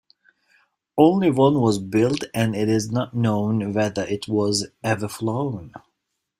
Only one was built and it is not known whether it was ever flown.